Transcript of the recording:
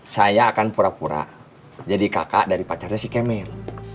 saya akan pura pura jadi kakak dari pacarnya si kemil